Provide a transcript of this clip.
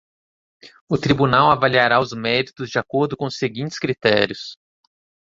O Tribunal avaliará os méritos de acordo com os seguintes critérios.